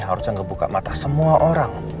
harusnya ngebuka mata semua orang